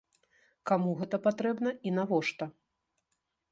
Каму гэта патрэбна і навошта?